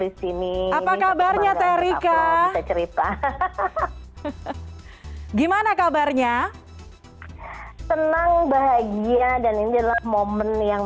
disini apa kabarnya terika cerita hahaha gimana kabarnya senang bahagia dan ini adalah momen yang